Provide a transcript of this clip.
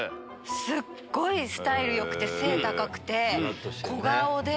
すっごいスタイルよくて背高くて小顔で。